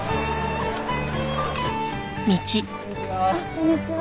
こんにちは。